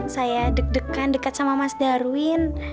saya deg degan dekat sama mas darwin